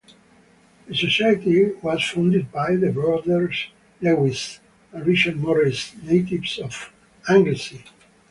The Society was founded by the brothers Lewis and Richard Morris, natives of Anglesey.